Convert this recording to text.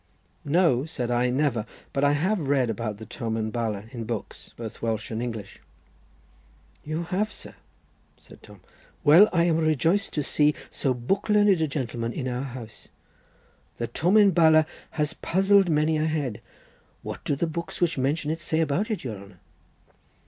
"No," said I, "never, but I have read about the Tomen Bala in books, both Welsh and English." "You have, sir?" said Tom. "Well, I am rejoiced to see so book learned a gentleman in our house. The Tomen Bala has puzzled many a head. What do the books which mention it say about it, your honour?"